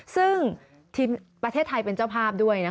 ซึ่งทีมประเทศไทยเป็นเจ้าภาพด้วย